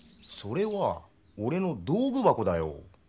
それはおれの道具箱だよ。